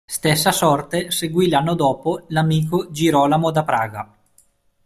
Stessa sorte seguì l'anno dopo l'amico Girolamo da Praga.